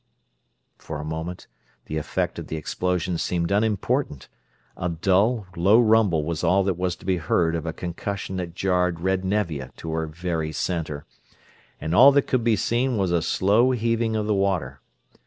For a moment the effect of the explosion seemed unimportant. A dull, low rumble was all that was to be heard of a concussion that jarred red Nevia to her very center; and all that could be seen was a slow heaving of the water.